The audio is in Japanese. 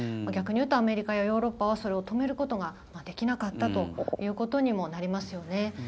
逆に言うとアメリカやヨーロッパはそれを止めることができなかったということにもなりますよね。